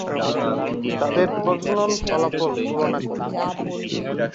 তাদের প্রজনন ফলাফল তুলনা করে।